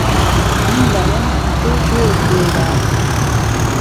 من دهڵێم تۆ گوێ بدێره